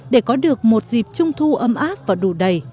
để có được một dịp trung thu âm áp và đủ đầy